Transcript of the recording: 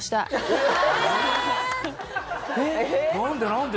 何で？